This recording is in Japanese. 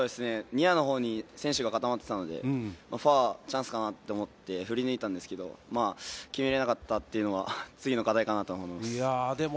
ニアのほうに選手が固まっていたので、ファーはチャンスかなと思って、振り抜いたんですけど、決めれなかったというのは次の課題かなと思います。